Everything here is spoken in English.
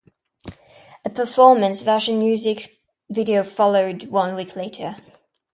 A performance version music video followed one week later.